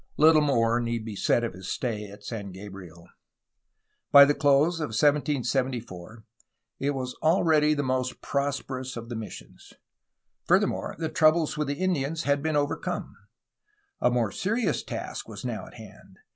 Little more need be said of his stay at San Gabriel. By the close of 1774 it was already the most prosperous of the missions. Furthermore, the troubles with the Indians had been overcome. A more serious task was now at hand.